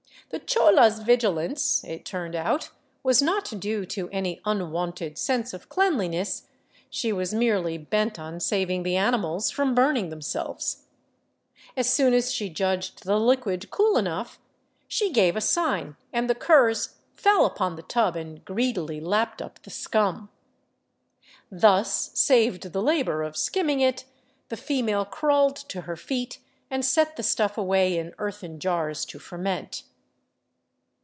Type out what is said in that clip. The chola's vigilance, it turned out, was not due to any unwonted sense of cleanliness ; she was merely bent on saving the animals from burning themselves. As soon as she judged the liquid cool enough, she gave a sign, and the curs fell upon the tub and greedily lapped up the scum. Thus saved the labor of skimming it, the female crawled to her feet and set the stuff away in earthen jars to ferment.